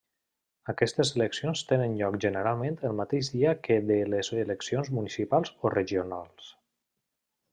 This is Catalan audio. Aquestes eleccions tenen lloc generalment el mateix dia que de les eleccions municipals o regionals.